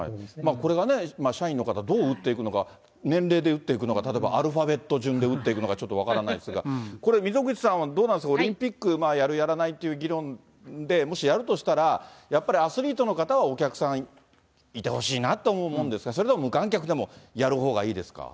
これから社員の方、どう打っていくのか、年齢で打っていくのか、例えばアルファベット順で打っていくのか、ちょっと分からないですが、これ、溝口さんはどうなんですか、オリンピックやるやらないという議論で、もしやるとしたら、やっぱりアスリートの方はお客さんいてほしいなと思うもんですか、それとも無観客でもやるほうがいいですか。